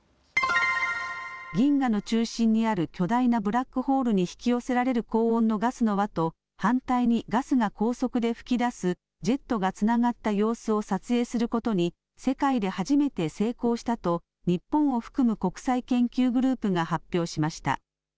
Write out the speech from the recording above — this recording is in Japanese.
銀河の中心にある巨大なブラックホールに引き寄せられる高温のガスの輪と反対にガスが高速で噴き出すジェットがつながった様子を撮影することに世界で初めて成功したと日本を含む国際研究グループが発表しました。